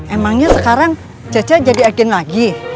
emangnya sekarang caca jadi agen lagi